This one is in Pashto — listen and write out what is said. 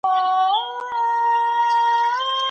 کليسا ښوونځي چلول.